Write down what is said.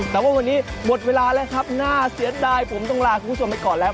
แต่ว่าวันนี้หมดเวลาแล้วครับน่าเสียดายผมต้องลาคุณผู้ชมไปก่อนแล้ว